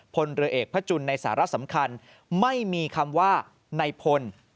พลเรือเอกพระจุลในสาระสำคัญไม่มีคำว่าในพล